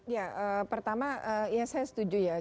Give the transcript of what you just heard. ya pertama ya saya setuju ya